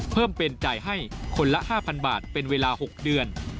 เพิ่มเป็นจ่ายให้คนละ๕๐๐บาทเป็นเวลา๖เดือน